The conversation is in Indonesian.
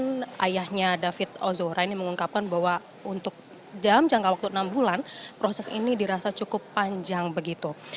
dan ayahnya david ozora ini mengungkapkan bahwa untuk jam jangka waktu enam bulan proses ini dirasa cukup panjang begitu